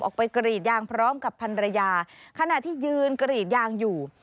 ออกไปกรีดยางพร้อมกับพันรยาขณะที่ยืนกรีดยางอยู่